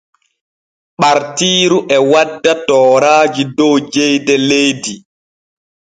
Ɓartiiru e wadda tooraaji dow jeyde leydi.